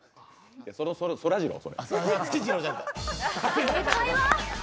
それ、そらジロー。